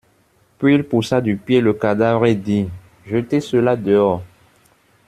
Puis il poussa du pied le cadavre et dit : Jetez cela dehors.